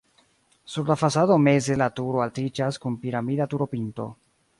Sur la fasado meze la turo altiĝas kun piramida turopinto.